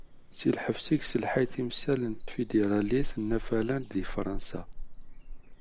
Si lḥebs, i yesselḥay timsal n Tfidiralit n Afalan deg Fransa.